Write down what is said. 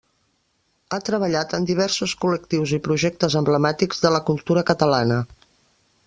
Ha treballat en diversos col·lectius i projectes emblemàtics de la cultura catalana.